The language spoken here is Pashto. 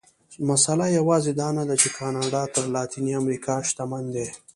مسئله یوازې دا نه ده چې کاناډا تر لاتینې امریکا شتمن دي.